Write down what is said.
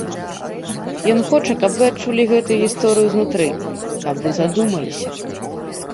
Ён хоча, каб вы адчулі гэтую гісторыю знутры, каб вы задумаліся.